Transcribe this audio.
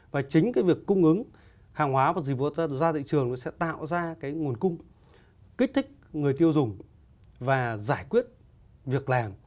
và chính cái việc cung ứng hàng hóa và dịch vụ ra thị trường nó sẽ tạo ra cái nguồn cung kích thích người tiêu dùng và giải quyết việc làm